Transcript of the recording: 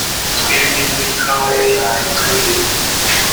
twembi muri conway dutuye,